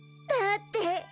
だって。